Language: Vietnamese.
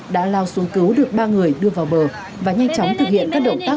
đã lao xuống cứu được ba người đưa vào bờ và nhanh chóng thực hiện các động tác